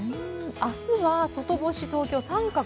明日は外干し東京、△。